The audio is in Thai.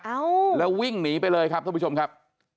แล้ววิ่งหนีไปเลยครับท่านผู้ชมครับ